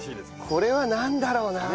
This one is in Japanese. これはなんだろうな？